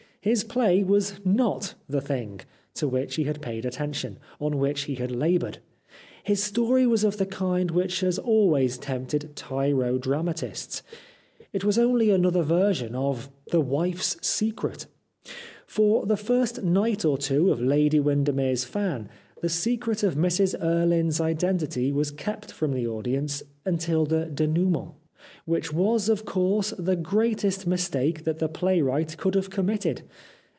His play was not the thing, to which he had paid attention, on which he had laboured. His story was of the kind which has always tempted tyro dramatists. It was only another version of " The Wife's Secret," For the first night or two of " Lady Windermere's 320 The Life of Oscar Wilde Fan/' the secret of Mrs Erlynne's identity was kept from the audience until the denouements which was, of course, the greatest mistake that the playwright could have committed.